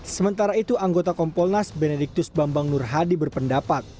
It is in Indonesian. sementara itu anggota kompolnas benediktus bambang nur hadi berpendapat